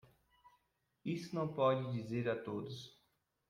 Isso não pode dizer a todos